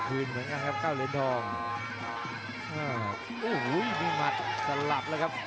อื้อฮึยังเก๋าอยู่ครับ